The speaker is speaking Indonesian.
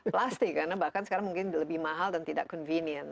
plastik karena bahkan sekarang mungkin lebih mahal dan tidak convenient